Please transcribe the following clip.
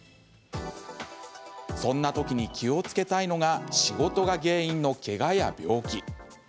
そんなときに気をつけたいのが仕事が原因のけがや病気。